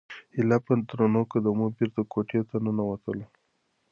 هیله په درنو قدمونو بېرته کوټې ته ننووتله.